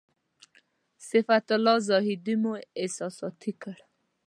صفت الله زاهدي مو احساساتي کړ.